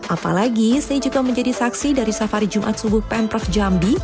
apalagi saya juga menjadi saksi dari safari jumat subuh pemprov jambi